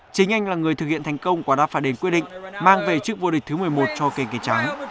chính anh là người thực hiện thành công quả đáp phải đến quyết định mang về chức vua địch thứ một mươi một cho kỳ kỳ trắng